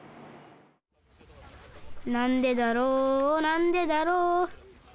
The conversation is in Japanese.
「なんでだろうなんでだろう」